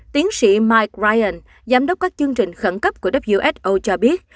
tiến sĩ mike ryan giám đốc các chương trình khẩn cấp của who cho biết